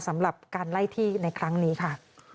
สำหรับการไล่ที่ในครั้งนี้ค่ะ